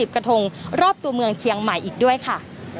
กระทงรอบตัวเมืองเชียงใหม่อีกด้วยค่ะ